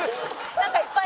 なんかいっぱい。